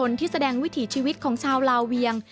ที่แสดงวิถีชีวิตของชาวลาเวียง